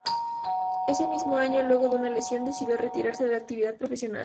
Ese mismo año, luego de una lesión, decidió retirarse de la actividad profesional.